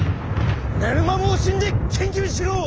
ねる間もおしんで研究しろ！